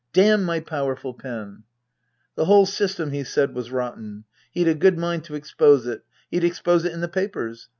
Damn my powerful pen !" The whole system, he said, was rotten. He'd a good mind to expose it. He'd expose it in the papers.